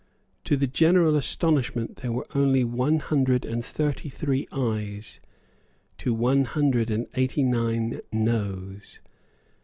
To the general astonishment there were only one hundred and thirty three Ayes to one hundred and eighty nine Noes.